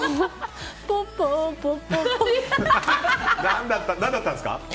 何だったんですか？